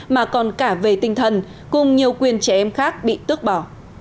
mà còn cả về tinh thần cùng nhiều quyền trẻ em khác bị tước bỏ